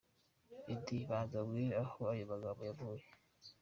Meddy: Banza umbwire aho ayo magambo yavuye!!.